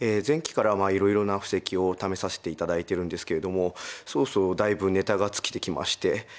前期からいろいろな布石を試させて頂いてるんですけれどもそろそろだいぶネタが尽きてきまして。